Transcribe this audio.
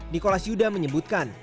nicholas yuda menyebutkan